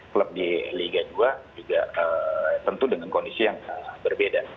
klub di liga dua juga tentu dengan kondisi yang berbeda